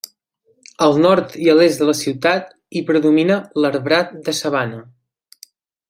Al nord i a l'est de la ciutat hi predomina l'arbrat de sabana.